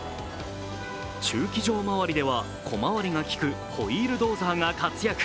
駐機場周りでは小回りが利くホイールドーザーが活躍。